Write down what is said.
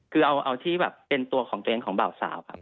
คือเอาที่แบบเป็นตัวของตัวเองของบ่าวสาวครับ